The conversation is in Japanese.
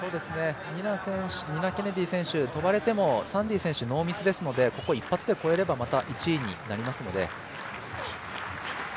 ニナ・ケネディ選手跳ばれてもサンディ選手ノーミスですので、ここ１発で越えればまた１位になりますので。